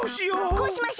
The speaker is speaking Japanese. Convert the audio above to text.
こうしましょう！